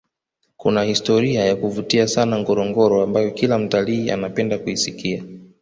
kuna historian ya kuvutia sana ngorongoro ambayo Kila mtalii anapenda kuisikia